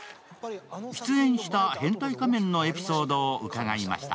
出演した「変態仮面」のエピソードを伺いました。